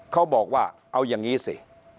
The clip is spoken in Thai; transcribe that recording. เขาบอกว่าเอาอย่างนี้สิ